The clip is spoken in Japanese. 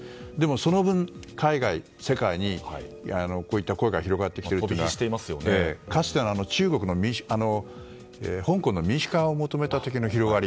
その分、海外、世界にこういった声が広がっているのはかつての香港の民主化を求めた時の広がり